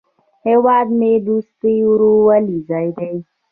هیواد مې د دوستۍ او ورورولۍ ځای دی